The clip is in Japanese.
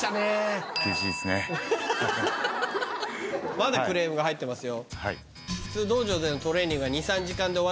まだクレームが入ってますよ。